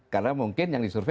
karena mungkin yang disurvei